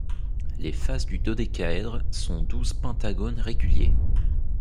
Les faces du dodécaèdre sont douze pentagones réguliers.